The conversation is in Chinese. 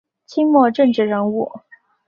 清末政治人物。